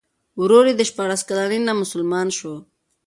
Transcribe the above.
ورور یې د شپاړس کلنۍ نه مسلمان شو.